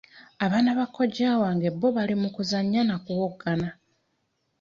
Abaana ba kojja wange bo baali mu kuzannya na kuwoggana.